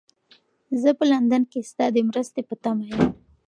زه په لندن کې ستا د مرستې په تمه یم.